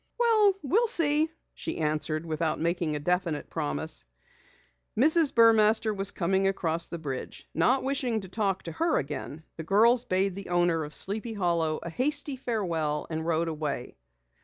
"Well, we'll see," she answered, without making a definite promise. Mrs. Burmaster was coming across the bridge. Not wishing to talk to her, the girls bade the owner of Sleepy Hollow a hasty farewell and rode away.